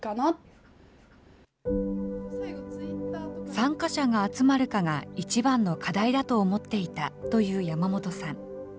参加者が集まるかが、いちばんの課題だと思っていたという山本さん。